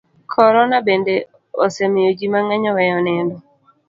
Korona bende osemiyo ji mang'eny oweyo nindo.